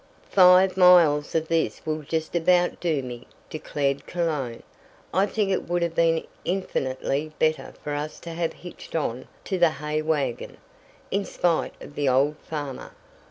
"Five miles of this will just about do me," declared Cologne. "I think it would have been infinitely better for us to have hitched on to the hay wagon, in spite of the old farmer."